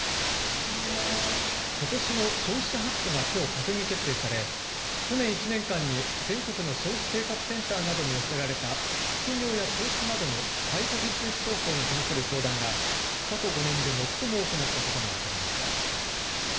ことしの消費者白書がきょう閣議決定され、去年１年間に全国の消費生活センターなどに寄せられた副業や投資などのサイドビジネス商法に関する相談が過去５年で最も多くなったことが分かりました。